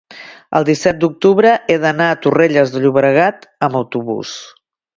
el disset d'octubre he d'anar a Torrelles de Llobregat amb autobús.